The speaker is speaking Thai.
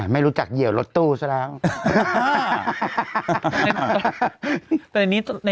ไม่รู้จักเหยียวรถตู้ซะแล้ว